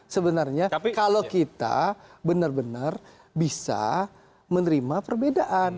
sebenarnya kalau kita benar benar bisa menerima perbedaan